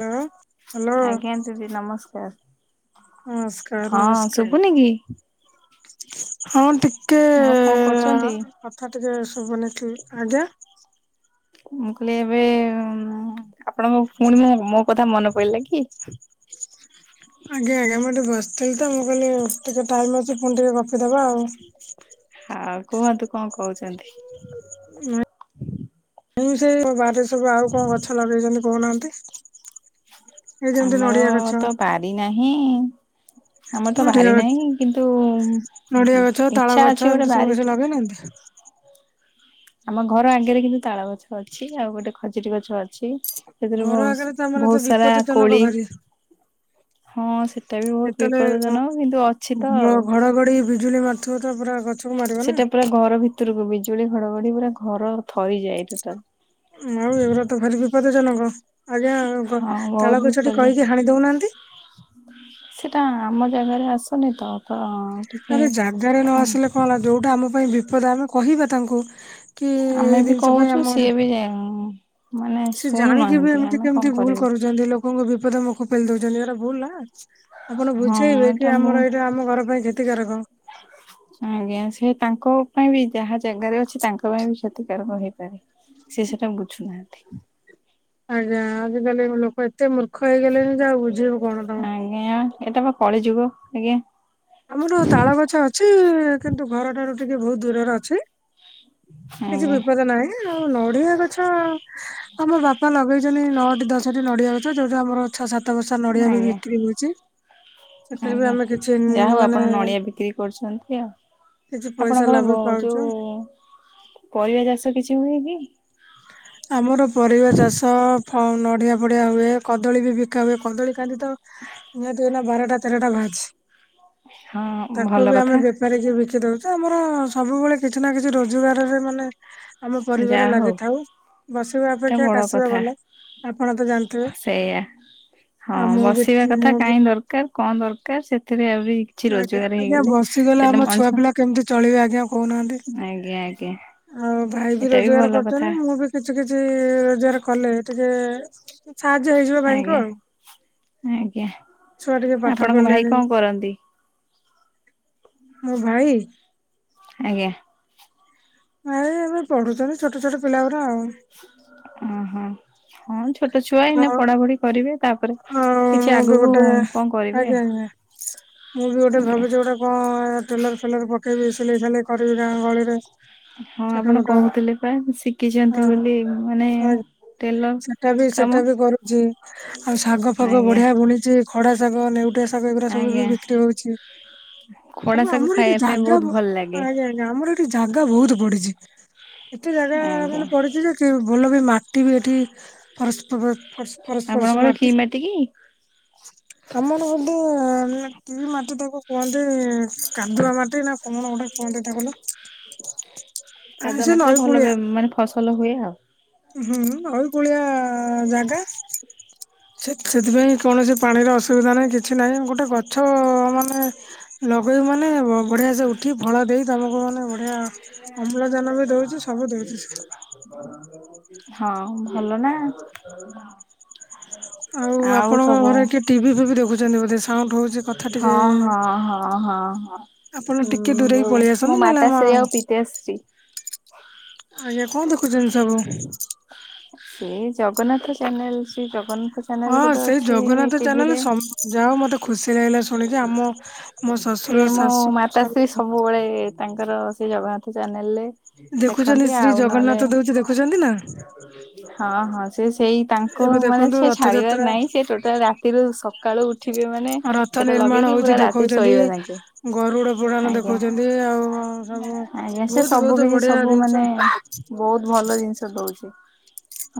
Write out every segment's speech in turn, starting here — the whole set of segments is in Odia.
ହ୍ୟାଲୋ ହ୍ୟାଲୋ ଆଜ୍ଞା ଦିଦି ନମସ୍କାର। ନମସ୍କାର ହଁ ନମସ୍କାର ଶୁଭୁନି କି? ହଁ ଟିକ ଆଉ କଣ କରୁଛନ୍ତି? କଥା ଟିକେ ଶଭୁନି କ୍ଲି ଆଜ୍ଞା ମୁଁ କହିଲି ଏବେ ଆପଣଙ୍କ ପୁଣି ମୋ ମୋ କଥା ମନେ ପଇଲା କି? ଆଜ୍ଞା, ଆଜ୍ଞା ମୁଁ ଏଠି ବସଥିଲି ତ ମୁଁ କହିଲି ଟିକେ ଟାଇମ୍ ଅଛି ପୁଣି ଟିକେ ଗପିଦବା ଆଉ। ହଁ କୁହନ୍ତୁ କଣ କହୁଛନ୍ତି? ମୁଁ ସେ କ-ବାରିରେ ସବୁ ଆଉ କଣ ଗଛ ଲଗେଇଚନ୍ତି କହୁନାହାନ୍ତି? ଏ ଯେମିତି ଆମର ନଡିଆ ଗଛ। ତ ବାରି ନାହିଁ। ଆମର ତ ନଡିଆ ବାରି ନାହିଁ। କିନ୍ତୁ ଇଚ୍ଛା ଅଛି ଗୋଟେ ବାରି ଲଗେଇ ନାହାନ୍ତି? ଆମ ଘର ଆଗରେ କିନ୍ତୁ ତାଳ ଗଛ ଅଛି। ଆଉ ଗୋଟେ ଖଜୁରୀ ଗଛ ଅଛି। ସେଥିରୁ ଘର ଆଗରେ ବହୁସୁ ତା ମାନେ ତ ବହୁ ସାରା ବିପଦ ଜନକ କୋଳି ଭାରି ହଁ ସେଟା ବି ବହୁତ ଯେତେବେଳେ ବିପଦଜନକ କିନ୍ତୁ ଅଛି ତ ଆଉ। ଥୁରା ପୁରା ଗ ସେଟା ପୁରା ଘର ଭିତରକୁ ବିଜୁଳି ଘଡଘଡି ପୁରା ଘର ଥରିଯାଏ ଟୋଟାଲ। ଆଉ ଏଉରା ତ ଭାରି ବିପଦଜନକ, ଆଜ୍ଞା ହଁ ବହୁତ ଗ-ତାଳ ଗଛଟି ପ୍ରୋବ୍ଲେମ୍ କହିକି ହାଣି ଦଉନାହାନ୍ତି? ସେଟା ଆମ ଜାଗାରେ ଆସୁନି ତ। ତ ଟିକେ ଆରେ ଜାଗାରେ ନ ହୁଁ ଆସିଲେ କଣ ହେଲା, ଯୋଉଟା ଆମ ପାଇଁ ବିପଦ ଆମେ କହିବା ତାଙ୍କୁ। କି ଆମେ ଏଇ ବି ଜିନିଷ ପାଇଁ କହୁଛୁ ଆମର ସିଏ ବି ମାନେ ସେ ଜାଣିକି ବି ଶୁଣୁନାହାନ୍ତି ଏମିତି ଆମେ କଣ କେମିତି ଭୁଲ କରିବୁ କରୁଛନ୍ତି, ଲୋକଙ୍କୁ ବିପଦ ମୁଖ ପେଲି ଦଉଚନ୍ତି ସେଟା ଭୁଲ ନା? ଆପଣ ହଁ ବୁଝେଇବେ ଏଇଟା କି ଆମର ଏଇଟା ଆମ ଘର ପାଇଁ କ୍ଷତିକାରକ। ହ ଆଜ୍ଞା ସେ ତାଙ୍କ ପାଇଁ ବି ଯାହା ଜାଗାରେ ଅଛି ତାଙ୍କ ପାଇଁ ବି କ୍ଷତିକାରକ ହେଇପାରେ। ସିଏ ସେଟା ବୁଝୁ ନାହାଁନ୍ତି। ଆଜ୍ଞା ଆଜିକାଲି ଲୋକ ଏତେ ମୂର୍ଖ ହେଇଗଲେଣିି ଯେ ଆଉ ବୁଝେଇବୁ କଣ ତୋମେ। ଜ୍ଞା ଏଟା ପା କଳିଯୁଗ ଆଜ୍ଞା। ଆମର ତାଳ ଗଛ ଅଛି, କିନ୍ତୁ ଘରଠାରୁ ଟିକେ ବହୁତ ଦୂରର ଅଛି। କିଛି ଆଜ୍ଞା ବିପଦ ନାହିଁ, ଆଉ ନଡିଆ ଗଛ ଆମ ବାପା ଲଗେଇଚନ୍ତି ନଅଟି ଦଶଟି ନଡିଆ ଗଛ, ଯୋଉଠି ଆମର ଛଅ ସାତ ବସ୍ତା ନଡିଆ ବି ଆଜ୍ଞା ବିକ୍ରି ହଉଚି, ସେଥିରେ ବି ଆମେ କିଛି ଉଁ ଯା ହଉ ଆପଣ ନଡିଆ ବିକ୍ରି କରୁଛନ୍ତି ଆଉ। କିଛି ପଇସା ଆପଣଙ୍କର ଲାଭ ଗ- ପାଉଛୁ। ଯୋଉ ପରିବା ଚାଷ କିଛି ହୁଏ କି? ଆମର ପରିବା ଚାଷ, ଫ- ନଡିଆ ଫଡିଆ ହୁଏ, କଦଳୀ ବି ବି କା ହୁଏ କଦଳୀ କାନ୍ଦି ତ ନିହାତି ଏଇନା ବାରଟା ତେରଟା ବାହାରିଛି। ହଁ ଭଲ କଥା। ପାରିକି ବିକି ଦଉଚୁ, ଆମର ସବୁବେଳେ କିଛି ନା କିଛି ରୋଜଗାରରେ ମାନେ ଆମ ପରିବାର ଯାହା ହଉ ଲାଗି ଥାଉ, ବସିବା ଏଟା ଅପେକ୍ଷା ବଡ କାଶିବା କଥା ଭଲ ଆପଣ ତ ଜାଣିଥିବେ। ସେଇଆ, ହଁ ଆଉ ମୁଁ ବି ବସିବା କଥା ମୁଁ କାଇଁ ଦରକାର, କଣ ଦରକାର, ସେଥିରେ ଆହୁରି କିଛି ଆଜ୍ଞା, ରୋଜଗାର ଆଜ୍ଞା ହେଇଗଲେ ବସିଗଲେ ସେଟା ଆମ ମଣିଷ ଛୁଆ ପିଲା କେମିତି ଚଳିବେ ଆଜ୍ଞା କହୁନାହାନ୍ତି? ଆଜ୍ଞା ଆଜ୍ଞା ତି ଆଉ ଭାଇ ବି ଏଟା ରୋଜଗାର ଭଲ କଥା କରୁଚନ୍ତି, ମୁଁ ବି କିଛି କିଛି ରୋଜଗାର କଲେ ଟିକେ ସାହାଯ୍ୟ ହେଇଯିବ ଭାଇଙ୍କୁ ଆଜ୍ଞା। ଆଉ। ଆଜ୍ଞା, ଛୁଆ ଟିକେ ପାଠ ଆପଣଙ୍କ ଭାଇ ପଢିଲେଣି କଣ କରନ୍ତି? ମୋ ଭାଇ ଆଜ୍ଞା। ଏଇ ଏବେ ପଢୁଚନ୍ତି ଛୋଟ ଛୋଟ ପିଲା ଗୁରା ଆଉ। ଅହଂ ହଁ ଯେ ଛୋଟ ଛୁଆ ଏଇନେ ଆଉ ପଢ଼ା ପଢ଼ି କରିବେ ତାପରେ ଆଉ କିଛି ମୁଁ ବି ଆଗକୁ ଗୋଟେ କଣ କରିବେ। ଆଜ୍ଞା ଆଜ୍ଞା। ମୁଁ ବି ଗୋଟେ ଆଜ୍ଞା। ଭାବୁଚି ଗୋଟେ କଣ ଟେଲର ଫେଲର ପକେଇବି ସିଲେଇ ଫିଲେଇ କରିବି ଗାଁ ଗହଳିରେ ହଁ ଛୋଟ ଆପଣ ମୋଟ କହୁଥିଲେ ପା ହଁ ଶିଖିଚନ୍ତି ବୋଲି ମାନେ ଆଜ୍ଞା ଟେଲର। ସେଟା ବି କାମ ସେଟା ବି କରୁଚି ଆଉ ଶାଗ ଫାଗ ଆଜ୍ଞା ବଢ଼ିଆ ବୁଣିଚି ଖଡ଼ା ଶାଗ ନେଉଟିଆ ଶାଗ ଏଗୁରା ସବୁ ବି ଆଜ୍ଞା। ବିକ୍ରି ହଉ ଚି ଖଡା ସବୁ ଶାଗୁ ଆମର ଏଠି ଖାଇବା ପାଇଁ ଜାଗା ବହୁତ ଭଲ ଲାଗେ ଆ ଆଜ୍ଞା ଆମର ଏଠି ଜାଗା ବହୁତ ପଡ଼ିଚି ଏତେ ଜାଗା ଆଜ୍ଞା। ମାନେ ପଡ଼ିଚି ଯେ ଇଏ ବି ଭଲ ବି ମାଟି ବି ଏଠି ଫସ୍ ଥିବ ଫସ୍ ଫସ୍ ଫସ୍ ଆପଣଙ୍କର କି ମାଟି। କି? ଆମର ଗୋଟେ କି ମାଟି ତାକୁ କୁହନ୍ତି କାଦୁଆ ମାଟି ନା କଣ ଗୋଟେ କୁହନ୍ତି ତାକୁ ଲୋ ଆ କାଦୁଆ ସେ ମାଟିରେ ନଈ ଭଲ ବେ କୂଳିଆ ମାନେ ଫସଲ ହୁଏ ଆଉ। ହୁଁ ହୁଁ ନଈକୂଳିଆ ଜାଗା। ସେଥିପାଇଁ କୌଣସି ପାଣିର ଅସୁବିଧା ନାଇଁ କିଛି ନାଇଁ ଗୋଟେ ଗଛ [unintelligible] ମାନେ ଲଗେଇବୁ ମାନେ ବ ବଢ଼ିଆ ସେ ଉଠି ଫଳ ଦେଇ ତମକୁ ମାନେ ବଢ଼ିଆ ସେ [unintelligible] ହଁ ଭଲ ନା। ଆଉ ଆପଣଙ୍କ ଘରେ କିଏ ଟିଭି ଫିଭି ଦେଖୁଛନ୍ତି ବୋଧେ ସାଉଣ୍ଡ ହଉଚି? ହଁ ହଁ ହଁ ହଁ ହଁ। ଆପଣ ଟିକେ ହୁଁ ଦୂରେଇକି ଯୋଉ ପଳେଇ ମୋ ଆସନ୍ତୁ ନହେଲେ ଆମ ମାତାଶ୍ରୀ ଆଉ ପିତାଶ୍ରୀ। ଆଜ୍ଞା କଣ ଦେଖୁଚନ୍ତି ସବୁ? ସେ ଜଗନ୍ନାଥ ଚ୍ୟାନେଲ ସେ ଜଗନ୍ନା ହଁ ସେଇ ଜଗନ୍ନାଥ ଚ୍ୟାନେଲ ସବ ଯାହା ହଉ ମତେ ଖୁସି ଲାଗିଲା ଶୁଣିକି ଆମ ମୋ ସେ ଶ୍ୱଶୁର ମୋ ଶାଶୁ ମାତାଶ୍ରୀ ସବୁ ସବୁବେଳେ ତାଙ୍କର ସେ ଜଗନ୍ନାଥ ଚ୍ୟାନେଲରେ ଦେଖୁଛନ୍ତି ଦେଖନ୍ତି ଶ୍ରୀ ଆଉ ନହେଲେ ଜଗନ୍ନାଥ ଦଉଛି ଦେଖୁଛନ୍ତି ନା ହଁ ହଁ ସେ ସେଇ ତାଙ୍କ ଏବେ ମାନେ ଦେଖନ୍ତୁ ସେ ଛାଡିବାର ରଥଯାତ୍ରା ନାଇଁ ସେ ଟୋଟାଲ ରାତିରୁ ସକାଳୁ ଉଠିବେ ମାନେ ରଥ ସେଟା ନିର୍ମାଣ ଲଗେଇକି ହଉଚି ପୁରା ରାତି ଦେଖଉଚନ୍ତି ଶୋଇବା ଯାଙ୍କେ। ଗରୁଡ଼ ପୁରାଣ ଆଜ୍ଞା ଦେଖଉଚନ୍ତି ଆଉ ସବୁ ଆଜ୍ଞା ସେ ବହୁତ ସବୁ ବହୁତ କିଛି ବଢିଆ ସବୁ ଜିନିଷ ମାନେ ବହୁତ ଭଲ ଜିନିଷ ଦଉଚି।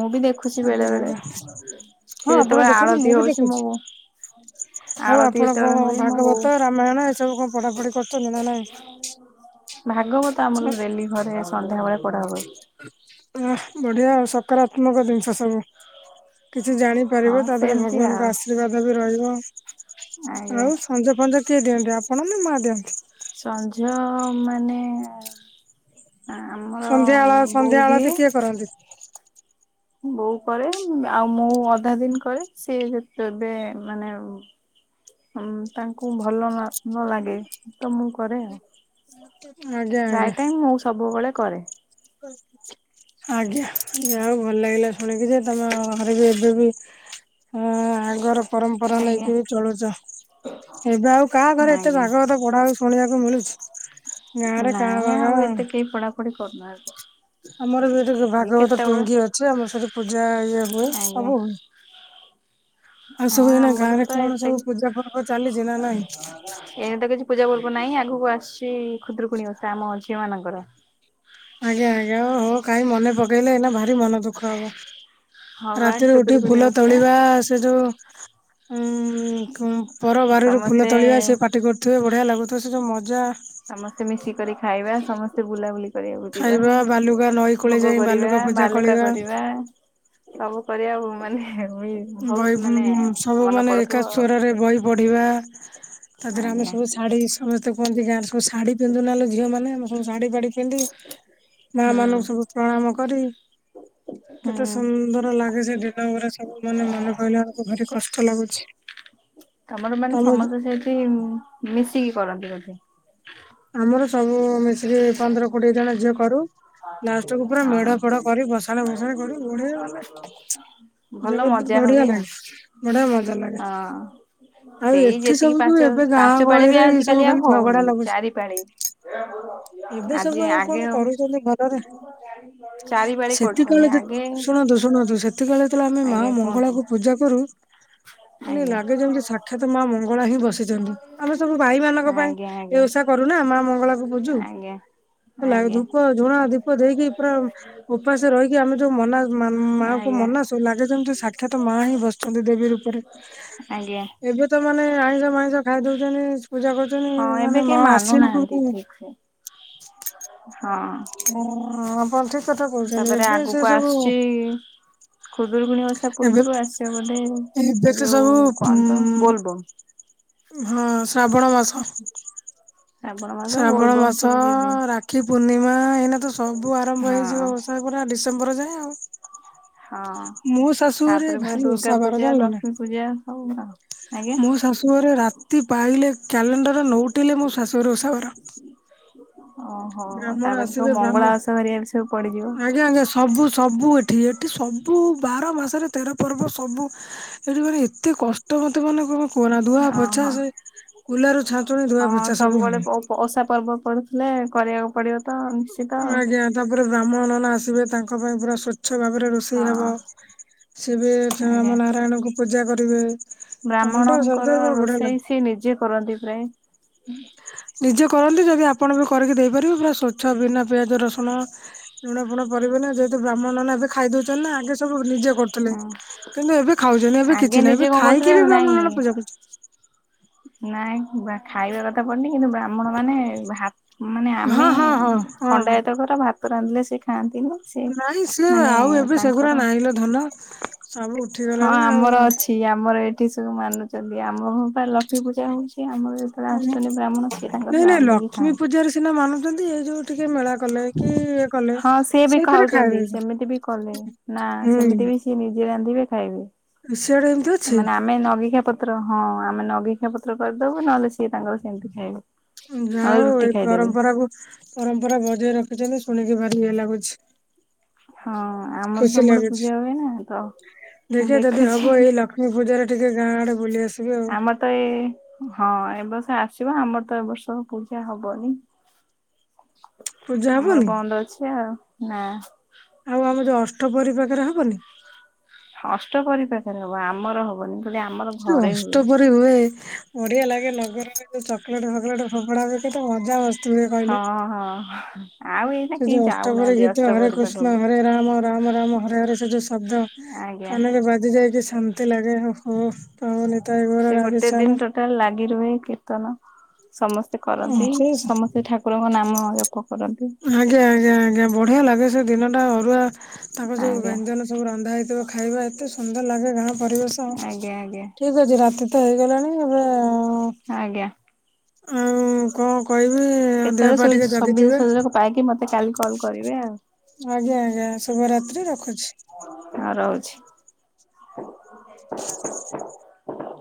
ମୁଁ ବି ଦେଖୁଚି ଆଜ୍ଞା ବେଳେବେଳେ ଆଜ୍ଞା ହଁ ସେ ଆପଣ ଯେତେବେଳେ ଦେଖନ୍ତୁ ମୁଁ ଆଳତି ବି ହଉଚି ଦେଖୁଛି ମୁଁ ଆଳତି ଯେତେବେଳେ ହୁଏ ମୋ ବୋଉ ନାଇଁ ନାଇଁ ଏସବୁ କଣ ପଢ଼ାପଢ଼ି କର ଭାଗବତ ଆମର ଡ଼େଲି ଘରେ ସନ୍ଧ୍ୟା ବେଳେ ପଢ଼ା ହୁଏ। ଓ ବଢ଼ିଆ ଆଉ ସକାରାତ୍ମକ ଜିନିଷ ସବୁ କିଛି ଜାଣି ହଁ ପାରିବେ ତା ପରେ ସେମିତି ଭଗବାନଙ୍କ ଆଉ ଆଶୀର୍ବାଦ ବି ରହିବ ଆଉ ଆଜ୍ଞା। ସଞ୍ଜ ଫଞ୍ଜ କିଏ ଦିଅନ୍ତି ଆପଣ ନା ମା ଦିଅନ୍ତି? ସଞ୍ଜ ମାନେ ଆମର ସନ୍ଧ୍ୟାବେଳ ସନ୍ଧ୍ୟା ବୋଉ ଦିଏ। ଆଳତି କିଏ କରନ୍ତି। ବୋଉ କରେ ଆଉ ମୁଁ ଅଧା ଦିନି କରେ ସିଏ ଯେ ଏବେ ମାନେ ହୁଁ ତାଙ୍କୁ ଭଲ ନ ଲାଗେ ତ ମୁଁ କରେ ଆଉ। ଆଜ୍ଞା ପ୍ରାୟ ଆଜ୍ଞା ଟାଇମ ମୁଁ ସବୁବେଳେ କରେ। [inaudible] ଆଜ୍ଞା ଯାହା ହଉ ଭଲ ଲାଗିଲା ଶୁଣିକି ଯେ ତମ ଘରେ ବି ଏବେ ବି ହଁ ଆଗର ପରମ୍ପରା ଆଜ୍ଞା ନେଇକି ଚଳୁଚ ଏବେ ଆଉ କାହା ଘରେ ଏତେ ଆଜ୍ଞା ଭାଗବତ ପଢ଼ା ଆଉ ଶୁଣିବାକୁ ମିଳୁଛି ଗାଁ ରେ କାଁ ଭା [unintelligible] କରୁନ ଆଗ। ଆମର ବି ଏଠି କ ଭାଗବତ ଟୁଙ୍ଗି ଅଛି ଆମର ସେଠି ପୂଜା ଇଏ ହୁଏ ଆଜ୍ଞା ସବୁ ହୁଏ। ଆଉ ହଁ ସବୁ ଏନା ଆମର ଗାଁରେ ତ କଣ ଏତେ ସବୁ ପୂଜା ପର୍ବ ଚାଲିଛି ନା ନାଇଁ। ଏଇନେ ତ କିଛି ପୂଜା ପର୍ବ ନାହିଁ ଆଗକୁ ଆସିଛି ଖୁଦ୍ରରୁକୁଣୀ ଓସା ଆମ ଝିଅ ମାନଙ୍କର। ଆଜ୍ଞା ଆଜ୍ଞା ଓ ହୋ କାହିଁ ମନେ ପକେଇଲେ ଏଇନା ଭାରି ମନ ଦୁଃଖ ହବ। ହଁ ବା ରାତିରେ ଉଠି ଖୁଦୁରୁକୁଣୀ ଫୁଲ ଓଷା ତୋଳିବା ସେ ଯୋଉ ହୁଁ କ ପର ଆଉ ବାରିରୁ ଫୁଲ ସମସ୍ତେ ତୋଳିବା ସେ ପାଟି କରୁଥିବେ ବଢିଆ ଲାଗୁଥିବ ସେ ଯୋଉ ମଜା। ସମସ୍ତେ ମିଶିକରି ଖାଇବା ସମସ୍ତେ ବୁଲାବୁଲି କରିବାକୁ ଯିବା ଖାଇବା ବାଲୁକା ନଈ କୂଳେ ଭୋଗ ଯାଇ କରିବା ବାଲୁକା ପୂଜା ବାଲୁକା କରିବା। ସବୁ କରିବା ଉ ମାନେ ବି ବହି ସବୁ ମାନେ ଏକା ଆଉ। ସୋରରେ ବହି ପଢିବା। ତାପରେ ଆମେ ଆଜ୍ଞା ସବୁ ଶାଢୀ ସମସ୍ତେ କୁହନ୍ତି ଗାଁରେ ସବୁ ଶାଢୀ ପିନ୍ଧୁ ନା ଲୋ ଝିଅ ମାନେ ଆମେ ସବୁ ସାଢୀ ପାଢ଼ୀ ପିନ୍ଧି ମା ହୁଁ ମାନଙ୍କୁ ସବୁ ପ୍ରଣାମ କରି। କେତେ ହୁଁ। ସୁନ୍ଦର ଲାଗେ ସେ ଦିନ ଗୁଡା ସବୁ ମାନେ ମନେ ପଡ଼ିଲା ବେଲକୁ ଭାରି କଷ୍ଟ ଲାଗୁଛି। ତମର ମାନେ ତମ ସମସ୍ତେ ସେଇଠି ମିଶିକି କରନ୍ତି ବୋଧେ। ଆମର ସବୁ ମିଶିକି ପନ୍ଦର କୋଡିଏ ଜଣ ଝିଅ କରୁ। ଲାଷ୍ଟ କୁ ପୁରା ହଁ ମେଢ ଫେଢ କରି ଭସାଣି ଫସାଣି କରି ବଢିଆ ମାନେ [inaudible] ଭଲ ଜବର ମଜା ବଢିଆ ହୁଏ ଆଉ ଲାଗେ। ବଢିଆ ମଜା ଲାଗେ ହଁ। ଆଉ ସେଇ ଏଠି ଯେତିକି ସବୁ ଯୋଉ ପାଞ୍ଚ ଏବେ ଗାଁ ପାଞ୍ଚ ପାଳି ଗହଳିରେ ବି ଏଇ ସବୁ ଆଜିିକାଲି ଆଉ ଖାଲି ଝଗଡା ହଉନି ଲାଗୁଛି। ଚାରି ପାଳି। ଏବେ ଆଜି ସବୁ ଆଉ ଆଗେ କଣ କରୁଛନ୍ତି ଭଲରେ। ଚାରି ପାଳି କରୁଛନ୍ତି ସେତିକବେଳେ ଯେ ଆଗେ ଶୁଣନ୍ତୁ ଶୁଣନ୍ତୁ ସେତିକିବେଳେ ଯେତେବେଳେ ଆମେ ମା ଆଜ୍ଞା କୁହନ୍ତୁ। ମଙ୍ଗଳାକୁ ପୂଜା କରୁ। ମାନେ ଆଜ୍ଞା ଲାଗେ ଯେମିତି ସାକ୍ଷାତ ମା ମଙ୍ଗଳା ହିଁ ବସିଛନ୍ତି ଆମେ ସବୁ ଭାଇ ମାନଙ୍କ ପାଇଁ ଆଜ୍ଞା ଆଜ୍ଞା ଏ ଓଷା କରୁ ନା ଆମ ଆମ ଆଜ୍ଞା। ହେଲା ଆଜ୍ଞା ଧୂପ ଝୁଣା ଧୀପ ଦେଇକି ପୁରା ଉପାସ ରହିକି ଆମେ ଯୋଉ ମନା ମା ମାଙ୍କୁ ଆଜ୍ଞା ମନା ସୂ ଚୁ ଲାଗେ ଯେମତି ସାକ୍ଷାତ ମା ହିଁ ବସଛନ୍ତି ଦେବୀ ରୂପରେ। ଆଜ୍ଞା। ଏବେ ତ ମାନେ ଆଇଁଷ ମାଇଁଷ ଖାଇ ଦଉଛନ୍ତି ପୂଜା କରୁଛନ୍ତି ମାନେ ମା ଆସିଲା ପୂର୍ବରୁ ଆଛା। [inaudible] ହଁ। ହ ଆପଣ ଠିକ କଥା କହୁଛନ୍ତି ତାପରେ ଏବେ ସେ ସବୁ ଖୁଦୁୁରକୁଣୀ ଓଷା ଏବେ ପୂର୍ବରୁ ଆସେ ଏବେ ବୋଧେ ତ ଯୋଉ ସବୁ କଣ ତ ଉଁ ବୋଲବମ୍। ହଁ ଶ୍ରାବଣ ମାସ। ଶ୍ରାବଣ ମାସ ଶ୍ରାବଣ ବୋଲବମ୍ ମାସ ସବୁ ଯିବେ ରାକ୍ଷୀ ପୂର୍ଣ୍ଣିମା ଏଇନା ତ ସବୁ ଆରମ୍ଭ ହଁ। ହେଇଯିବ ଓଷା। ପୁରା ଡିସେମ୍ବର ଯାଏଁ ଆଉ। ହଁ ମୋ ଶାଶୁ ଘରେ ତାପରେ ପୁଣି ଭାରି ଦୁର୍ଗା ଓଷା ବାର ପୂଜା ଜାଣିଲ ନା। ଲକ୍ଷ୍ମୀ ପୂଜା ସବୁ ଆଉ। ଆଜ୍ଞା ମୋ ଶାଶୁଘରେ ରାତି ପାହିଲେ କ୍ୟାଲେଣ୍ଡର ନଉଟିଲେ ମୋ ଶାଶୁଘର ଓଷା ବାର। ଓହୋ ବ୍ରାହ୍ମଣ ତାପରେ ସବୁ ଆସିବେ ବ୍ରାହ୍ମ ମଙ୍ଗଳା ଓଷା ଭାରି ଇଆଡେ ସବୁ ପଡ଼ିଯିବ। ଆଜ୍ଞା ଆଜ୍ଞା ସବୁ ସବୁ ଏଠି ଏଠି ସବୁ ବାର ମାସରେ ତେର ପର୍ବ ସବୁ ଏଠି ମାନେ ଏତେ କଷ୍ଟ ମତେ ମାନେ କଣ କୁହନା ଧୁଆ ପୋଛା ଓହୋ। ସେ କୁଲାରୁ ଛାଞ୍ଚୁଣି ଧୁଆ ପୋଛା ସବୁ ହବ। ପଷା ପର୍ବ ପଡୁଥିଲେ କରିବାକୁ ପଡ଼ିବ। ଆଜ୍ଞା ତାପରେ ବ୍ରାହ୍ମଣ ନନା ଆସିବେ ତାଙ୍କ ପାଇଁ ପୁରା ସ୍ୱଚ୍ଛ ଭାବରେ ରୋ ଷେଇ ହଁ ହବ ସିଏ ବି ଆଜ୍ଞା ଆମ ନାରାୟଣଙ୍କୁ ପୂଜା କରିବେ। ଘଣ୍ଟ ଶବ୍ଦ ବ୍ରାହ୍ମଣଙ୍କର କଣ ବଢିଆ ଲାଗେ ରୋଷେଇ ସିଏ ନିଜେ କରନ୍ତି ପ୍ରାୟେ। ନିଜେ କରନ୍ତି ଯଦି ଆପଣ ବି କରିକି ଦେଇପାରିବେ ପୁରା ସ୍ୱଚ୍ଛ ବିନା ପିଆଜ ରସୁଣ ଲୁଣ ଫୁଣ ପରିବନା ଯୋଉଠି ବ୍ରାହ୍ମଣ ନନା ଏବେ ଖାଇଦୋଉଛନ୍ତିନା ଆଗେ ସବୁ ନିଜେ କରୁଥିଲେ ହୁଁ କିନ୍ତୁ ଏବେ ଖାଉଛନ୍ତି ଏବେ ଆଗେ କିଛି ନାହିଁ ନିଜେ ଏବେ କଣ କରୁଥିଲେ ଖାଇକି ବି ନାଇଁ ବ୍ରାହ୍ମଣ ନନା ପୂଜା କରୁଛନ୍ତି। ନାଇଁ ବା ଖାଇବା କଥା ପଡ଼ିନି କିନ୍ତୁ ବା ଆମଣ ମାନେ ଭା ମାନେ ଆମେ ହଁ ହଁ ହଁ ହଁ ହଁ। ଖଣ୍ଡାୟତ ଘର ଭାତ ରାନ୍ଧିଲେ ସେ ଖାଆନ୍ତି ନି। ନାଇଁ ସିଏ ଆଉ ଏବେ ସେଗୁରା ନାହିଁଲୋ ଧନ ସବୁ ଉଠି ଗ ହଁ ଆମର ଅଛି ଆମର ଏଠି ସବୁ ମାନୁଚନ୍ତି ଆମ ବୋହୁ ପା ଲ--‌‌ କି ପୂଜା ହୋଉଚି ଆମର ଯେତବେଳେ ଆସୁଛନ୍ତି ବ୍ରାହ୍ମଣ ସିଏ ତାଙ୍କର ରାନ୍ଧିକି ଖାଆନ୍ତି। ପିଲା ମାନୁଚନ୍ତି ଏ ଯୋଉ ଟିକେ ମେଳା କଲେ କି ଇଏ କଲେ ହଁ ସିଏ ବି ସେଥିରେ ଖାଉଛନ୍ତି ସେମିତି ବି କଲେ ଖାଇଦୋଉଚି ନା ସେମିତି ହୁଁ। ବି ସିଏ ନିଜେ ରାନ୍ଧିବେ ଖାଇବେ। ସିଆଡ଼େ ଏମ୍ତି ଅଛି। ମାନେ ଆମେ ନଗିଖା ପତ୍ର ହଁ ଆମେ ନଗିଖା ପତ୍ର କରିଦବୁ ନହେଲେ ସିଏ ତାଙ୍କର ସେମିତି ଖାଇବେ। ଯା ନହେଲେ ହୋଉ ରୁଟି ଏଇ ଖାଇଦେବେ ପରମ୍ପରାକୁ ପରମ୍ପରା ବଜେଇ ରଖିଚନ୍ତି ଶୁଣିକି ଭାରି ଇଏ ଲାଗୁଚି। ହଁ ଆମର ସବୁବେଳେ ଲାଗୁଛି ପୂଜା ହୁଏ ନା ତ ମୁଁ ଦେଖୁଛି। ଏ ପୂଜା ରେ ଟିକେ ଗାଁ ଆଡ଼େ ବୁଲି ଆସ। ଆମର ତ ଏ ହଁ ଏ ବର୍ଷ ଆସିବ ଆମର ତ ଏବ ବର୍ଷ ପୂଜା ହବନି। ପୂଜା ଆମର ହବନି ବନ୍ଦ ଅଛି ଆଉ ନା। ଆଉ ଆମ ଯୋଉ ଅଷ୍ଟ ପହରି ପାଖରେ ହବନି। ହଷ୍ଟପରି ପାଖରେ ହବ ଆମର ହବନି ଫୁଲି ଆମର କି ଘରେ ଅଷ୍ଟ ହୁଏ। ପ ପହରୀ ହୁଏ ବଢ଼ିଆ ଲାଗେ ନଗର ରେ ଯୋଉ ଚକଲେଟ୍ ଫକ ଲେଟ୍ ଫୋପଡ଼ା ହୁଏ କେତେ ମଜା ମସ ହଁ ହଁ। ଆଉ ଏଇନା ସେ କେହି ଯୋଉ ଅଷ୍ଟପରି ଯାଉନାହାନ୍ତି ଗୀତ ହରେ ଅଷ୍ଟପହରି କୃଷ୍ଣ ପାଖକୁ। ହରେ ରାମ ରାମ ରାମ ହରେ ହରେ ସେ ଯୋଉ ଶବ୍ଦ। ଆଜ୍ଞା କାନରେ ବାଜି ଯାଇକି ଶାନ୍ତି ଲାଗେ ଓହୋ କହିବ ନିତାଇ ଗୌର ସେ ରାଧେ ଗୋଟେ ଦିନ ଶ୍ୟାମ। ଟୋଟାଲ ଲାଗି ରୁହେ କୀର୍ତ୍ତନ ସମସ୍ତେ କରନ୍ତି ସମସ୍ତେ ଠାକ ଠାକୁରଙ୍କ ନାମ ଜପ କରନ୍ତି। ଆଜ୍ଞା ଆଜ୍ଞା ଆଜ୍ଞା ବଢ଼ିଆ ଲାଗେ ସେ ଦିନଟା ଅରୁଆ। ତାଙ୍କ ଯୋଉ ଆଜ୍ଞା। ବ୍ୟଞ୍ଜନ ସବୁ ରନ୍ଧା ହେଇଥିବ ଖାଇବା ଏତେ ସୁନ୍ଦର ଲାଗେ ଗାଁ ପରିବେଶ ଆଜ୍ଞା ଆଜ୍ଞା ଟି। ହେଇଯାଉଚି ରାତି ତ ହେଇଗଲାଣି ଏବେ ଆଜ୍ଞା। ଉଁ ମୁଁ କଂ କହିବି ଦେହ କେତେବେଳେ ପା ସୁବି ଟିକେ ସୁବିଧା ଜଗିଥିବେ। ସୁଯୋଗ ପାଇକି ମତେ କାଲି କଲ୍ କରିବେ ଆଉ ଆଜ୍ଞା ଆଜ୍ଞା ଶୁଭରାତ୍ରି ରଖୁଛି। ଆ ରହୁଛି। [inaudible]